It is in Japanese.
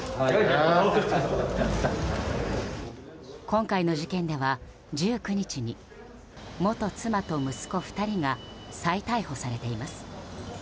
今回の事件では１９日に元妻と息子２人が再逮捕されています。